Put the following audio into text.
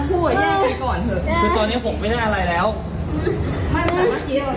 มึงทำมากผู้หญิง